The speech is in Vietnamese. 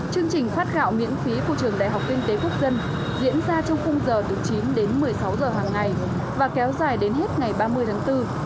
chương trình phát gạo miễn phí của trường đại học kinh tế quốc dân diễn ra trong khung giờ từ chín đến một mươi sáu h hàng ngày và kéo dài đến hết ngày ba mươi tháng bốn